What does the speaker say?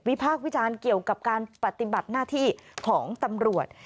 พากษ์วิจารณ์เกี่ยวกับการปฏิบัติหน้าที่ของตำรวจ